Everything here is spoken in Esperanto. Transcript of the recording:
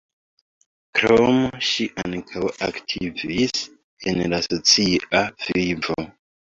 Krome ŝi ankaŭ aktivis en la socia vivo.